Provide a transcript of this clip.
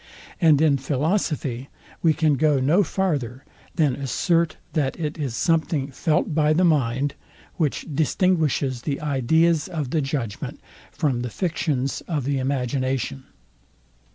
And in philosophy we can go no farther, than assert, that it is something felt by the mind, which distinguishes the ideas of the judgment from the fictions of the imagination.